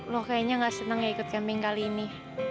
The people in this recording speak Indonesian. loh kayaknya gak seneng ya ikut camping kali ini